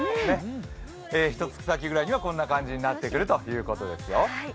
ひとつき先ぐらいには、こんな感じになってくるということですよ。